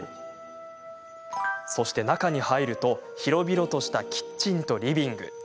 そして中に入ると広々としたキッチンとリビング。